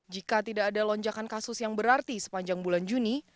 jika tidak ada lonjakan kasus yang berarti sepanjang bulan juni